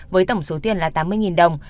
với tổng số tiền là tám mươi đồng